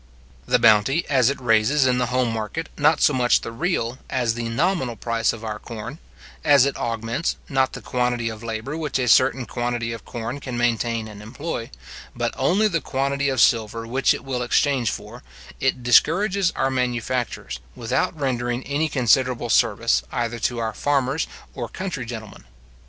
The bounty, as it raises in the home market, not so much the real, as the nominal price of our corn; as it augments, not the quantity of labour which a certain quantity of corn can maintain and employ, but only the quantity of silver which it will exchange for; it discourages our manufactures, without rendering any considerable service, either to our farmers or country gentlemen.